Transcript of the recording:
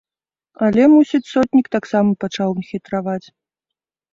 Але, мусіць, сотнік таксама пачаў хітраваць.